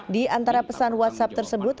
di antara pesan whatsapp tersebut